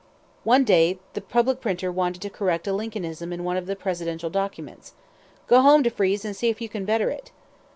One day the public printer wanted to correct a Lincolnism in one of the presidential documents. "Go home, Defrees, and see if you can better it."